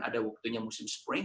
ada waktunya musim spring